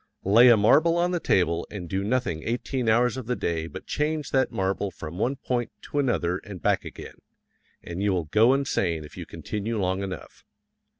Lay a marble on the table and do nothing eighteen hours of the day but change that marble from one point to another and back again, and you will go insane if you continue long enough.